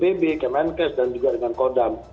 dari bb kemenkes dan juga dengan kodam